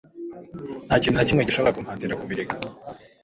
nta kintu na kimwe gishobora kumpatira kubireka